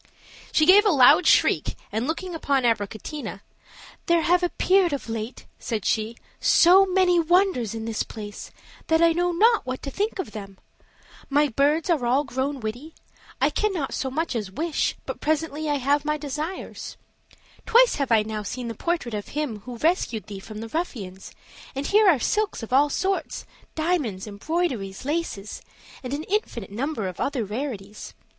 She gave a loud shriek, and looking upon Abricotina, "There have appeared of late," said she, "so many wonders in this place, that I know not what to think of them: my birds are all grown witty; I cannot so much as wish, but presently I have my desires; twice have I now seen the portrait of him who rescued thee from the ruffians; and here are silks of all sorts, diamonds, embroideries, laces, and an infinite number of other rarities.